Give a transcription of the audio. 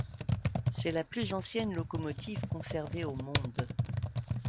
C'est la plus ancienne locomotive conservée au monde.